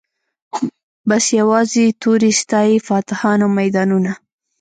بس یوازي توري ستايی فاتحان او میدانونه